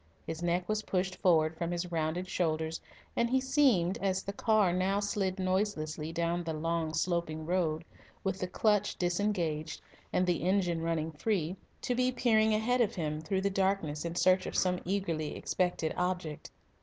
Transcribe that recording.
His neck was pushed forward from his rounded shoulders, and he seemed, as the car now slid noiselessly down the long, sloping road, with the clutch disengaged and the engine running free, to be peering ahead of him through the darkness in search of some eagerly expected object.